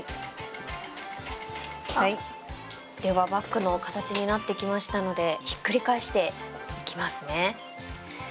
ではバッグの形になってきましたのでひっくり返していきますね。